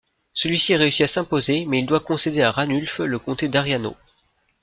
Celui-ci réussit à s'imposer mais il doit concéder à Ranulf le comté d'Ariano.